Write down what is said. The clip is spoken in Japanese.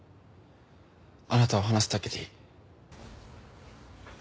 あなたは話すだけでいい。